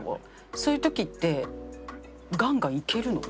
そういう時ってガンガンいけるの？